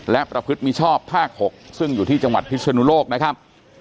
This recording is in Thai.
และประพฤติมิชอบภาค๖ซึ่งอยู่ที่จังหวัดพิศนุโลกนะครับ